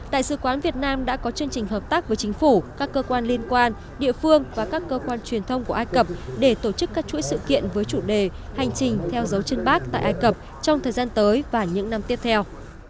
đại sứ quán việt nam đã có chương trình hợp tác với chính phủ các cơ quan liên quan địa phương và các cơ quan truyền thông của ai cập để tổ chức các chuỗi sự kiện với chủ đề hành trình theo dấu chân bác tại ai cập trong thời gian tới và những năm tiếp theo